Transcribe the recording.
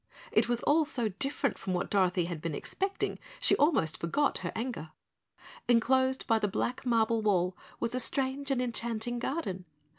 It was all so different from what Dorothy had been expecting she almost forgot her anger. Enclosed by the black marble wall was a strange and enchanting garden.